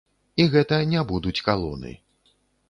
І гэта не будуць калоны.